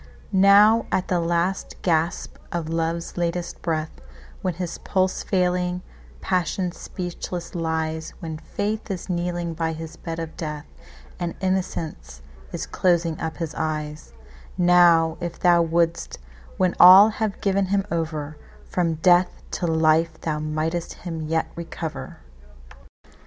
Now at the last gasp of love's latest breath, When his pulse failing, passion speechless lies, When faith is kneeling by his bed of death, And innocence is closing up his eyes,—Now if thou wouldst, when all have given him over, From death to life thou mightst him yet recover!